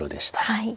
はい。